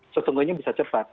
sesungguhnya bisa cepat